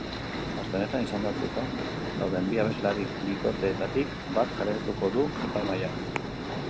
Aste honetan izendatuta dauden bi abeslari bikoteetatik bat kaleratuko du epaimahaiak.